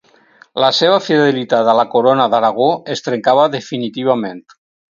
La seva fidelitat a la corona d'Aragó es trencava definitivament.